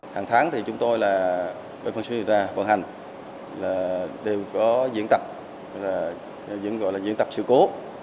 hàng tháng thì chúng tôi là bên phân xuyên điện ra vận hành đều có diễn tập gọi là diễn tập sự cố